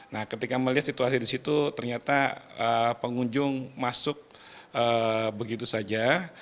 nah ketika melihat situasi di situ ternyata pengunjung masuk begitu saja